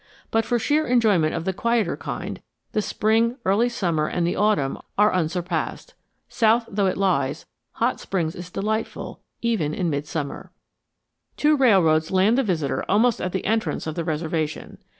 But, for sheer enjoyment of the quieter kind, the spring, early summer, and the autumn are unsurpassed; south though it lies, Hot Springs is delightful even in midsummer. Two railroads land the visitor almost at the entrance of the reservation.